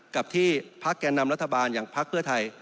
กับที่พักแก่นำรัฐบาลอย่างพักเพื่อไทย